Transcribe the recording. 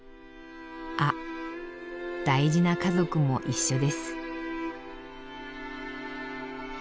あっ大事な家族も一緒です。